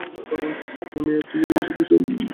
আমি আর তুমি মিলে শুধু সামনে ড্রাইভারকে ব্যস্ত রাখব।